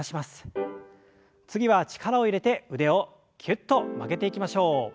次は力を入れて腕をきゅっと曲げていきましょう。